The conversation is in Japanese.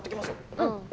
うん。